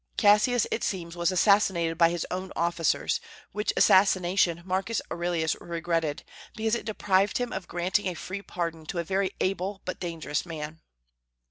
Cassius, it seems, was assassinated by his own officers, which assassination Marcus Aurelius regretted, because it deprived him of granting a free pardon to a very able but dangerous man.